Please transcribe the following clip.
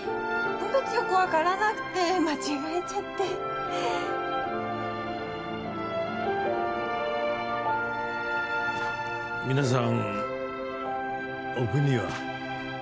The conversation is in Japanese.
分別よく分からなくて間違えちゃって皆さんお国は？